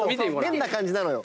変な感じなのよ。